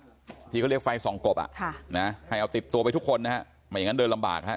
ที่เขาเรียกไฟสองกบให้เอาติดตัวไปทุกคนนะครับไม่อย่างงั้นเดินลำบากครับ